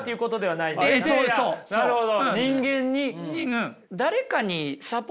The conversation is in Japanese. なるほど。